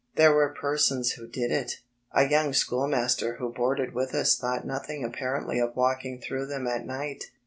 There were persons who did it. A young schoolmaster who boarded with us thought nothing apparendy of walking through them at night.